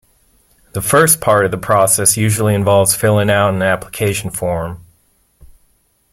The first part of the process usually involves filling out an application form.